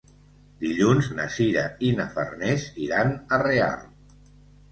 Dilluns na Sira i na Farners iran a Real.